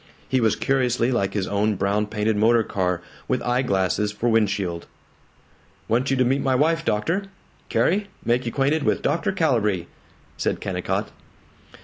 He was curiously like his own brown painted motor car, with eye glasses for windshield. "Want you to meet my wife, doctor Carrie, make you 'quainted with Dr. Calibree," said Kennicott.